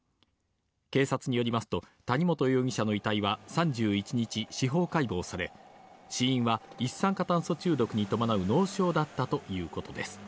警察によりますと、谷本容疑者の遺体は３１日、司法解剖され、死因は一酸化炭素中毒に伴う脳症だったということです。